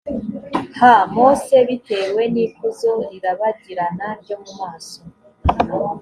ha mose bitewe n ikuzo rirabagirana ryo mu maso